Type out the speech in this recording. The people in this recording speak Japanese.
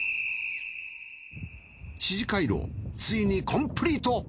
四寺廻廊ついにコンプリート！